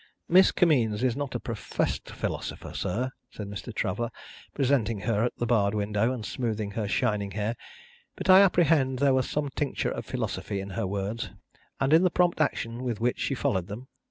" Miss Kimmeens is not a professed philosopher, sir," said Mr. Traveller, presenting her at the barred window, and smoothing her shining hair, "but I apprehend there was some tincture of philosophy in her words, and in the prompt action with which she followed them.